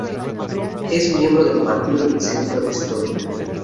Es miembro del Partido del Centro de Estonia.